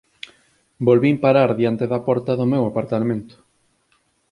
Volvín parar diante da porta do meu apartamento.